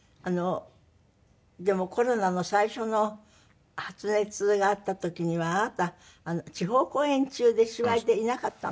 でもコロナの最初の発熱があった時にはあなた地方公演中で芝居でいなかったんだって？